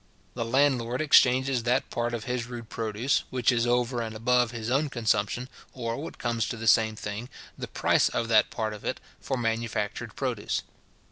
The landlord exchanges that part of his rude produce, which is over and above his own consumption, or, what comes to the same thing, the price of that part of it, for manufactured produce.